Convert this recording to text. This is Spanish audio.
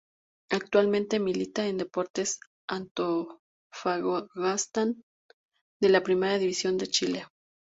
Actualmente milita en Deportes Antofagasta de la Primera División de Chile.